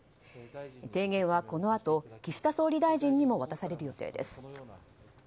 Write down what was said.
提言はこのあと岸田総理大臣にも渡される予定です。